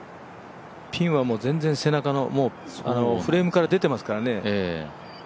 ピンは全然背中の、フレームから出てますからね。